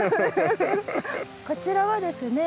こちらはですね